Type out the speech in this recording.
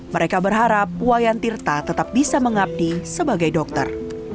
mereka berharap wayan tirta tetap bisa mengabdi sebagai dokter